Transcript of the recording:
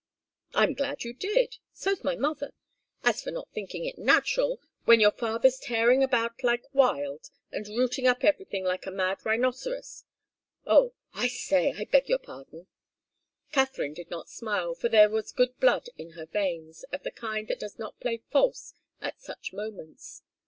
"I'm glad you did. So's my mother. As for not thinking it natural, when your father's tearing about like wild and rooting up everything like a mad rhinoceros oh, I say! I beg your pardon " Katharine did not smile, for there was good blood in her veins, of the kind that does not play false at such moments.